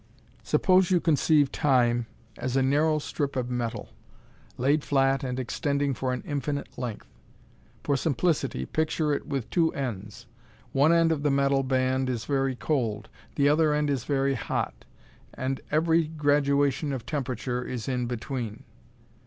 Suppose you conceive Time as a narrow strip of metal, laid flat and extending for an infinite length. For simplicity, picture it with two ends. One end of the metal band is very cold; the other end is very hot. And every graduation of temperature is in between.